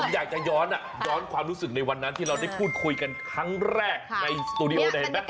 อยากจะย้อนย้อนความรู้สึกในวันนั้นที่เราได้พูดคุยกันครั้งแรกในสตูดิโอเนี่ยเห็นไหม